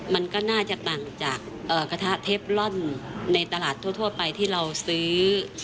มันก็น่าจะต่างจากกระทะเทปลอนในตลาดทั่วไปที่เราซื้อ